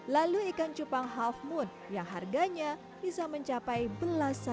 lalu ikan cupang half moon yang harganya bisa mencapai belas juta rupiah